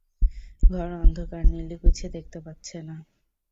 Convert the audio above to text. ঘর অন্ধকার, নীলু কিছু দেখতে পাচ্ছে না।